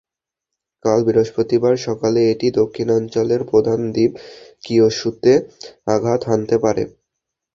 কাল বৃহস্পতিবার সকালে এটি দক্ষিণাঞ্চলের প্রধান দ্বীপ কিওসুতে আঘাত হানতে পারে।